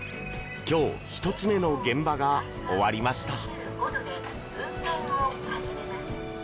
今日１つ目の現場が終わりました。